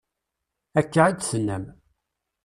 Akka i d-tennam.